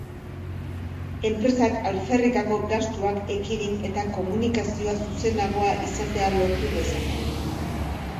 Enpresak alferrikako gastuak ekidin eta komunikazioa zuzenagoa izatea lortu dezake.